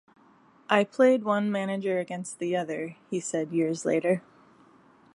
"I played one manager against the other," he said years later.